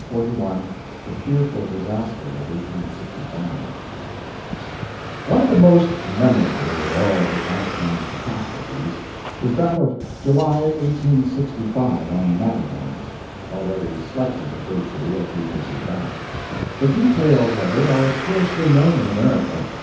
CHAPTER XLI [The Fearful Disaster of 1865] One of the most memorable of all the Alpine catastrophes was that of July, 1865, on the Matterhorn already slightly referred to, a few pages back. The details of it are scarcely known in America.